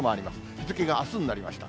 日付があすになりました。